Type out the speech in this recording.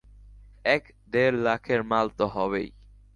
এক-দেড় লাখের মাল তো হবেই।